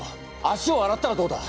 足をあらったらどうだ？